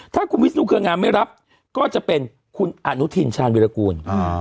ถ้าคุณวิศนุเครืองามไม่รับก็จะเป็นคุณอนุทินชาญวิรากูล